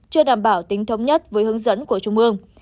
chưa đảm bảo tính thống nhất với hướng dẫn của trung ương